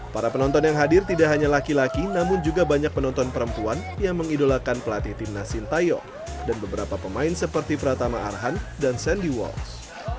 para penonton yang hadir tidak hanya laki laki namun juga banyak penonton perempuan yang mengidolakan pelatih timnas sintayong dan beberapa pemain seperti pratama arhan dan sandy wals